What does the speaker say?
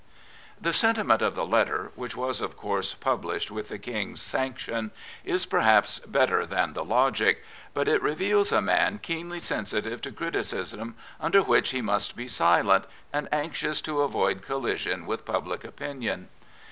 The sentiment of the letter^ — which was, of course, published with the King's sanction — is perhaps better than the logic; but it reveals a man keenly sensitive to criticism under which he must be silent, and anxious to avoid collision with public opinion.